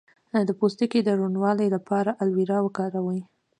د پوستکي روڼوالي لپاره ایلوویرا وکاروئ